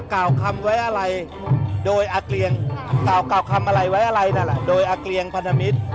กล่าวคำไว้อะไรโดยอากเลียงพันธมิตร